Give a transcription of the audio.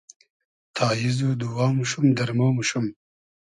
تاییز و دووا موشوم ، دئرمۉ موشوم